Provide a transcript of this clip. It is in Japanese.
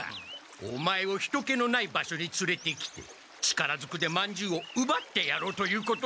オマエを人けのない場所につれてきて力ずくでまんじゅうをうばってやろうということだ。